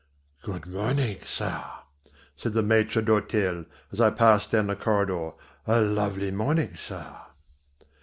"Good morning, sir," said the maître d'hôtel, as I passed down the corridor, "a lovely morning, sir."